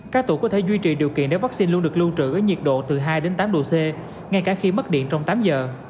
các tủ có thể duy trì điều kiện để vaccine luôn được lưu trữ ở nhiệt độ từ hai đến tám độ c ngay cả khi mất điện trong tám giờ